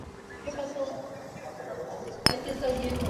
Hizo versiones calurosas y vigorosas de las óperas de Richard Wagner.